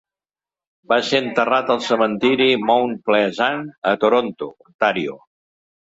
Va ser enterrat al cementiri Mount Pleasant a Toronto, Ontario.